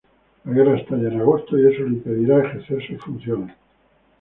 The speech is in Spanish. La guerra estalla en agosto y eso le impedirá ejercer sus funciones.